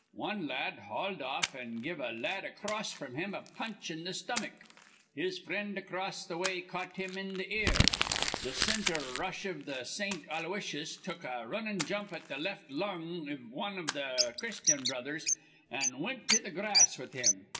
Wan la ad hauled off, an' give a la ad acrost fr'm him a punch in th' stomach. His frind acrost th' way caught him in th' ear. Th' cinter rush iv th' Saint Aloysiuses took a runnin' jump at th' left lung iv wan iv th' Christyan Brothers, an' wint to th' grass with him.